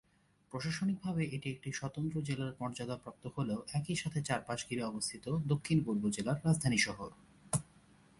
প্রশাসনিকভাবে এটি একটি স্বতন্ত্র জেলার মর্যাদাপ্রাপ্ত হলেও একই সাথে চারপাশ ঘিরে অবস্থিত দক্ষিণ-পূর্ব জেলার রাজধানী শহর।